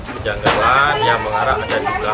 kejanggalan yang mengarah ada juga